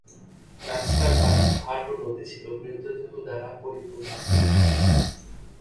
রাস্তাঘাট, ঘাট ও নদী ছিল মৃতদেহ দ্বারা পরিপূর্ণ।